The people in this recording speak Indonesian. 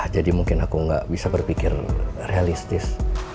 jadi mungkin aku gak bisa berpikir realistis